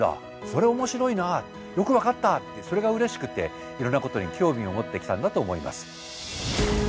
それ面白いなよく分かったってそれがうれしくていろんなことに興味を持ってきたんだと思います。